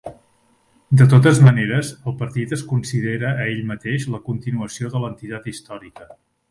De totes maneres, el partit es considera a ell mateix la continuació de l'entitat històrica.